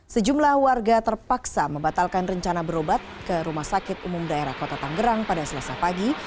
sejumlah warga terpaksa membatalkan rencana berobat ke rumah sakit umum daerah kota tanggerang pada selasa pagi